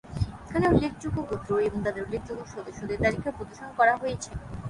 এখানে উল্লেখযোগ্য গোত্র এবং তাদের উল্লেখযোগ্য সদস্যদের তালিকা প্রদর্শন করা হয়েছে।